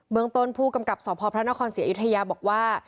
เมืองต้นผู้กำกัดสอบพอพระพระนครเสียอิทยาบอกว่า